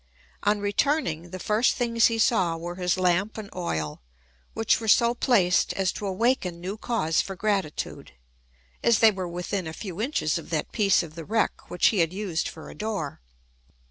On returning, the first things he saw were his lamp and oil, which were so placed as to awaken new cause for gratitude, as they were within a few inches of that piece of the wreck which he had used for a door.